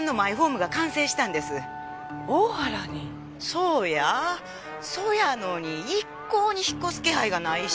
そうやあそやのに一向に引っ越す気配がないし。